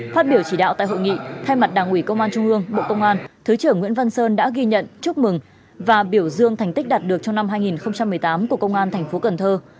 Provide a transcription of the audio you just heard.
phát biểu chỉ đạo tại hội nghị thay mặt đảng ủy công an trung ương bộ công an thứ trưởng nguyễn văn sơn đã ghi nhận chúc mừng và biểu dương thành tích đạt được trong năm hai nghìn một mươi tám của công an thành phố cần thơ